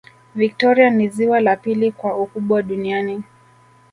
victoria ni ziwa la pili kwa ukubwa duniani